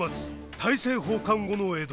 大政奉還後の江戸。